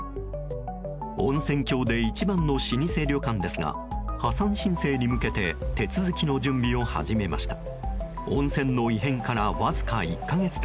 温泉郷で一番の老舗旅館ですが破産申請に向けて手続きの準備を始めました。